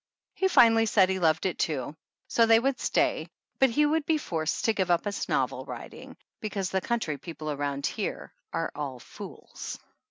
He finally said he loved it too, so they would stay, but he would be forced to give up novel writing because the country people around here are all fools.